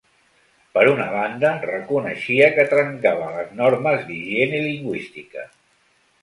Per una banda, reconeixia que trencava les normes d'higiene lingüística.